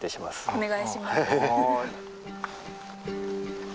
お願いします。